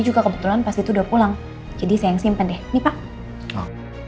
juga kebetulan pasti udah pulang jadi saya yang simpan deh bre